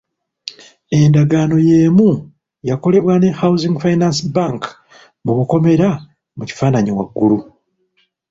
Endagaano y'emu yakolebwa ne Housing Finance Bank (mu kifaananyi waggulu).